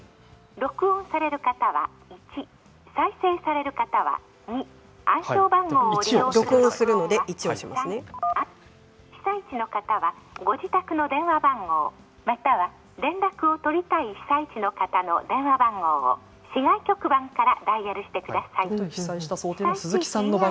録音される方は１再生される方は２暗証番号を利用する録音は３１を押してください。被災地の方はご自宅の電話番号、または連絡を取りたい被災地の方の電話番号を、市外局番からダイヤルしてください。